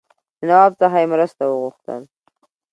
له نواب څخه یې مرسته وغوښتل.